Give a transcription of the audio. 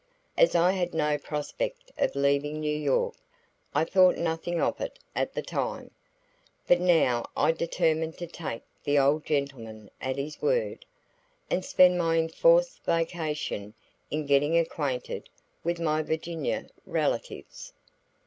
As I had no prospect of leaving New York, I thought nothing of it at the time; but now I determined to take the old gentleman at his word, and spend my enforced vacation in getting acquainted with my Virginia relatives.